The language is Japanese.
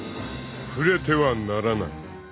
［触れてはならない］